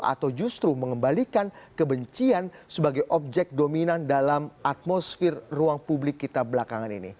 atau justru mengembalikan kebencian sebagai objek dominan dalam atmosfer ruang publik kita belakangan ini